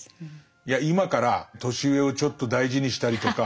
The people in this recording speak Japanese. いや今から年上をちょっと大事にしたりとか。